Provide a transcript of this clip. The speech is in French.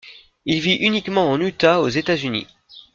Il vit uniquement en Utah aux États-Unis.